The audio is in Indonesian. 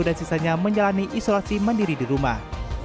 dan sisanya menjalani isolasi mandiri di rumah